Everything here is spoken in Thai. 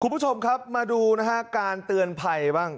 คุณผู้ชมครับมาดูนะฮะการเตือนภัยบ้าง